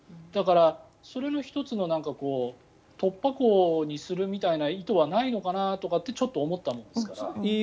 だから、それの１つの突破口にするみたいな意図はないのかなとかってちょっと思ったんですが。